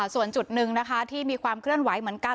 ส่วนจุดหนึ่งนะคะที่มีความเคลื่อนไหวเหมือนกัน